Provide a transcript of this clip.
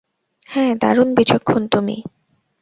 হ্যাঁ, দারুণ বিচক্ষণ তুমি।